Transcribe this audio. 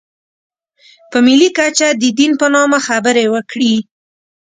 په ملي کچه د دین په نامه خبرې وکړي.